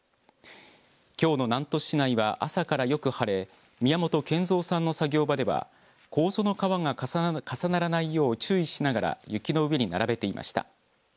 きょうの南砺市内は朝からよく晴れ宮本謙三さんの作業場ではこうぞの皮が重ならないよう注意しながら雪の上に並べていました。